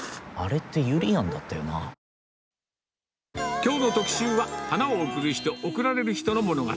きょうの特集は、花を贈る人、贈られる人の物語。